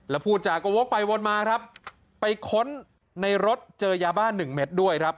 แล้วพูดจาก็วกไปวนมาครับไปค้นในรถเจอยาบ้านหนึ่งเม็ดด้วยครับ